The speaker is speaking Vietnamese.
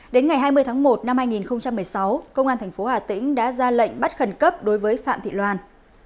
đến ngày hai mươi tháng một năm hai nghìn một mươi sáu công an tp hà tĩnh đã ra lệnh bắt khẩn cấp đối với phạm thị loan